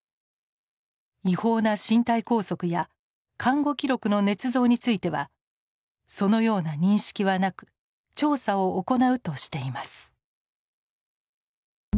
違法な身体拘束や看護記録のねつ造についてはそのような認識はなく調査を行うとしています。